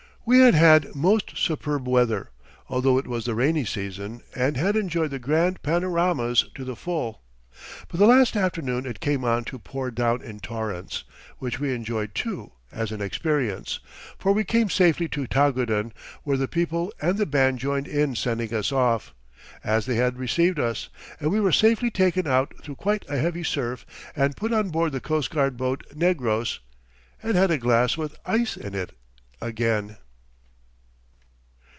We had had most superb weather, although it was the rainy season, and had enjoyed the grand panoramas to the full; but the last afternoon it came on to pour down in torrents, which we enjoyed too as an experience, for we came safely to Tagudin, where the people and the band joined in sending us off, as they had received us, and we were safely taken out through quite a heavy surf and put on board the Coast Guard boat Negros, and had a glass with ice in it again.